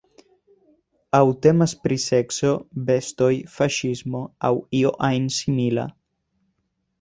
Aŭ temas pri sekso, bestoj, faŝismo aŭ io ajn simila.